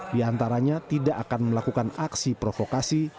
diantaranya tidak akan melakukan aksi provokasi